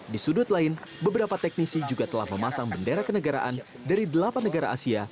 di sudut lain beberapa teknisi juga telah memasang bendera kenegaraan dari delapan negara asia